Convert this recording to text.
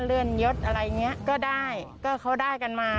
เลื่อนยศอะไรอย่างเงี้ยก็ได้ก็เขาได้กันมา